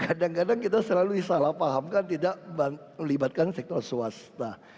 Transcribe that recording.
kadang kadang kita selalu salah pahamkan tidak melibatkan sektor swasta